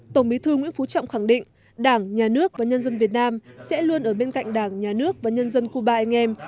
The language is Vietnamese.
tổng bí thư nguyễn phú trọng khẳng định đảng nhà nước và nhân dân việt nam sẽ luôn ở bên cạnh đảng nhà nước và nhân dân cuba anh em